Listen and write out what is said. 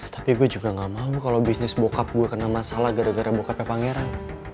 tapi gue juga gak mau kalau bisnis bokap gue kena masalah gara gara bokapnya pangeran